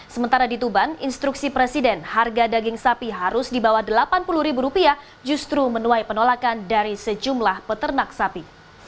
sementara di tuban instruksi presiden harga daging sapi harus di bawah rp delapan puluh justru menuai penolakan dari sejumlah peternak sapi